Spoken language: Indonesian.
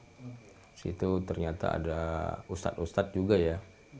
di situ ternyata ada ustad ustad juga ya